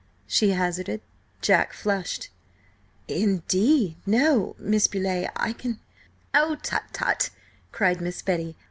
she hazarded. Jack flushed. "Indeed, no, Miss Beauleigh–I can—" "Oh, tut tut!" cried Miss Betty.